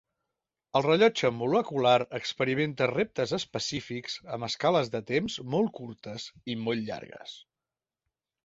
El rellotge molecular experimenta reptes específics amb escales de temps molt curtes i molt llargues.